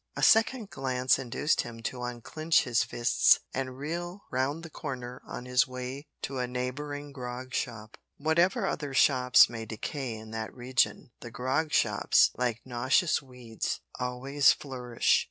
A second glance induced him to unclench his fists and reel round the corner on his way to a neighbouring grog shop. Whatever other shops may decay in that region, the grog shops, like noxious weeds, always flourish.